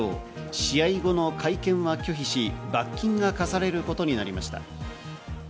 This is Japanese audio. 試合後の会見は拒否し、罰金が科されることになりました。